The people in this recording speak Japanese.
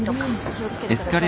気を付けてください。